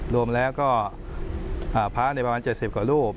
รวมแล้วก็พระในประมาณ๗๐กว่ารูป